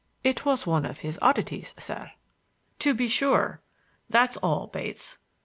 It was one of his oddities, sir." "To be sure. That's all, Bates."